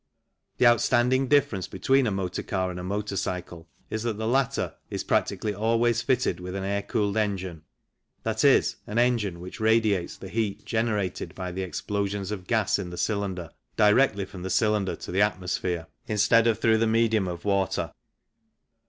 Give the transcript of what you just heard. The outstanding difference between a motor car and a motor cycle is that the latter is practically always fitted with an air cooled engine, i.e. an engine which radiates the heat generated by the explosions of gas in the cylinder directly from the cylinder to the atmosphere, instead of through the medium of water.